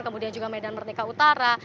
kemudian juga medan merdeka utara